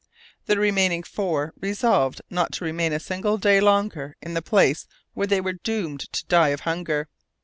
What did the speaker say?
The remaining four resolved not to remain a single day longer in the place where they were doomed to die of hunger.